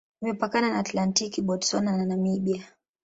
Imepakana na Atlantiki, Botswana na Namibia.